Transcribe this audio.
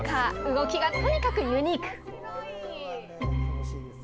動きがとにかくユニーク。